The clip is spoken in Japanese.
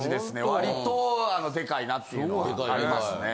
割とデカいなっていうのがありますね。